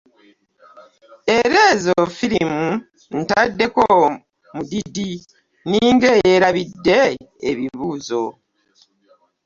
Era zzo firimu ntaddeko mudidi ninga eyerabidde ebibuuzo .